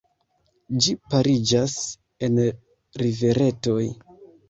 Ĝi pariĝas en riveretoj.